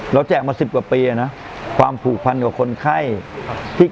เราแจกมา๑๐กว่าปีแล้วนะความผูกพันกับคนไข้